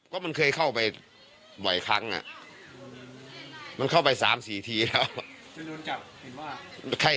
ก็มันเคยเข้าไปบ่อยครั้งน่ะมันเข้าไปสามสี่ทีแล้ว